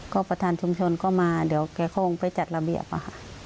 ก็ประธานชุมชนก็มาเดี๋ยวแกคงไปจัดระเบียบอะค่ะ